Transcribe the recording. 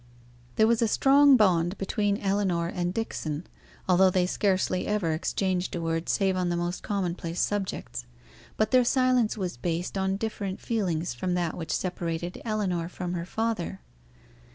There was a strong bond between Ellinor and Dixon, although they scarcely ever exchanged a word save on the most common place subjects; but their silence was based on different feelings from that which separated Ellinor from her father.